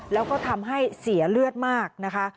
แล้วก็ทำให้เสียเลือดมากนะคะ